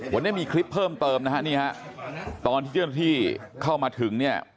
วันนี้มีคลิปเพิ่มเติมตอนที่เจ้าหน้าที่เข้ามาถึง